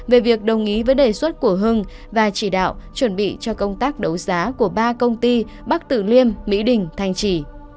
về việc đồng ý với đề xuất của hưng và chỉ đạo chuẩn bị cho công tác đấu giá của ba công ty bắc tử liêm mỹ đình thành chỉ